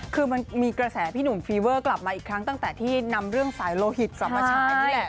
คือมันมีกระแสพี่หนุ่มฟีเวอร์กลับมาอีกครั้งตั้งแต่ที่นำเรื่องสายโลหิตกลับมาฉายนี่แหละ